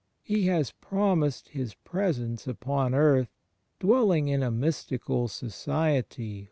He has promised His Presence upon earth, dwelling in a mystical Society t Luke X : i6.